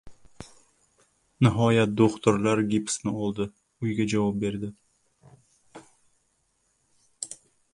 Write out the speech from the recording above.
Nihoyat, do‘xtirlar gipsni oldi, uyga javob berdi.